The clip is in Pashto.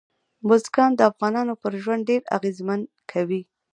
بزګان د افغانانو پر ژوند ډېر اغېزمن کوي.